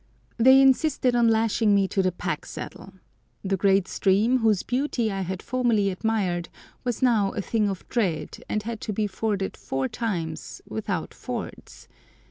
They insisted on lashing me to the pack saddle. The great stream, whose beauty I had formerly admired, was now a thing of dread, and had to be forded four times without fords.